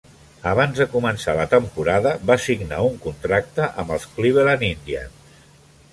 Abans de començar la temporada va signar un contracte amb els Cleveland Indians.